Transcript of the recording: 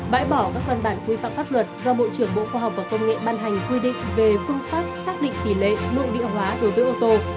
bãi bỏ các văn bản quy phạm pháp luật do bộ trưởng bộ khoa học và công nghệ ban hành quy định về phương pháp xác định tỷ lệ nội địa hóa đối với ô tô